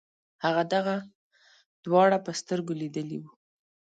هغه دغه دواړه په سترګو لیدلي وو.